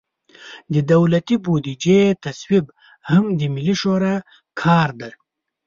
د دولتي بودیجې تصویب هم د ملي شورا کار دی.